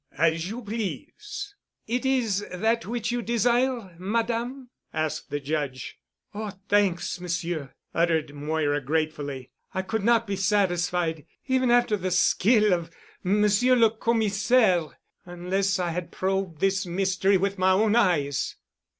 "As you please." "It is that which you desire, Madame?" asked the Judge. "Oh, thanks, Monsieur," uttered Moira gratefully. "I could not be satisfied, even after the skill of Monsieur le Commissaire, unless I had probed this mystery with my own eyes."